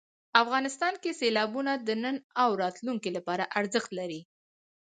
افغانستان کې سیلابونه د نن او راتلونکي لپاره ارزښت لري.